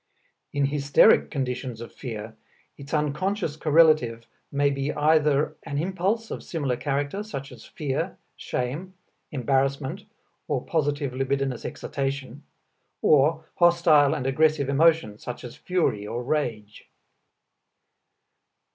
In hysteric conditions of fear, its unconscious correlative may be either an impulse of similar character, such as fear, shame, embarrassment or positive libidinous excitation, or hostile and aggressive emotion such as fury or rage.